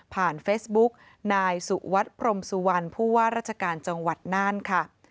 เฟซบุ๊กนายสุวัสดิพรมสุวรรณผู้ว่าราชการจังหวัดน่านค่ะ